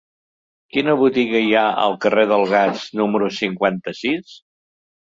Quina botiga hi ha al carrer del Gas número cinquanta-sis?